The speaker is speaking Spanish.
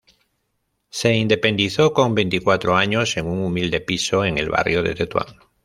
Se independizó con veinticuatro años en un humilde piso en el barrio de Tetuán.